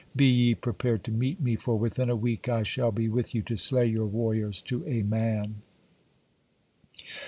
Be ye prepared to meet me, for within a week I shall be with you to slay your warriors to a man."